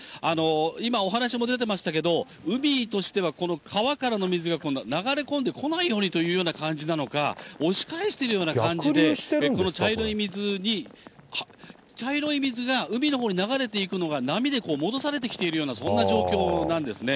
今、お話も出てましたけど、海としては、川からの水が今度は流れ込んでこないようにという感じなのか、押し返してるような感じで、この茶色い水が、茶色い水が海のほうに流れていくのが波で戻されてきているようなそんな状況なんですね。